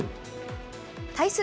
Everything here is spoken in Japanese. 対する